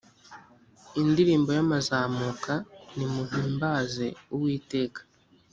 indirimbo y amazamuka nimuhimbaze uwiteka